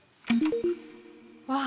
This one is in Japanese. わあ！